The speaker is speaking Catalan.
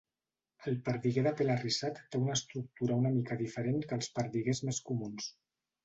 El perdiguer de pel arrissat te una estructura una mica diferent que els perdiguers més comuns.